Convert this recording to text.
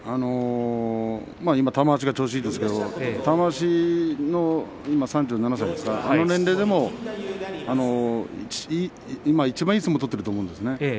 今玉鷲が調子いいですけども玉鷲３７歳ですか、あの年齢でも今いちばん、いい相撲を取っていると思うんですね。